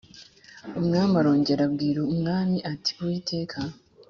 Umwami arongera abwira umwami ati uwiteka